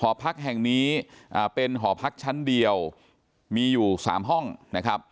พักแห่งนี้เป็นหอพักชั้นเดียวมีอยู่๓ห้องนะครับ